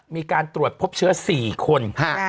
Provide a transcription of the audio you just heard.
มีการตรวจพบเชื้อ๔คน